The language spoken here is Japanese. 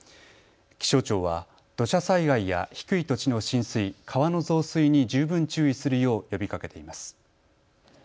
気象庁は土砂災害や低い土地の浸水、川の増水に十分注意するよう呼びかけています。